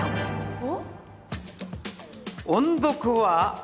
おっ？